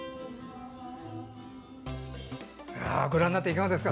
ご覧になっていかがですか？